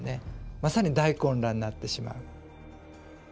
まさに大混乱になってしまう。